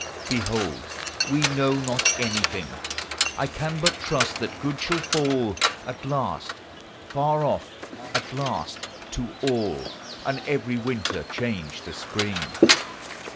Behold, we know not anything; I can but trust that good shall fall At last far off at last, to all, And every winter change to spring.